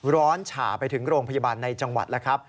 ฉ่าไปถึงโรงพยาบาลในจังหวัดแล้วครับ